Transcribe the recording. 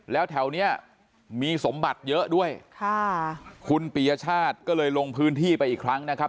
แล้วแถวเนี้ยมีสมบัติเยอะด้วยค่ะคุณปียชาติก็เลยลงพื้นที่ไปอีกครั้งนะครับ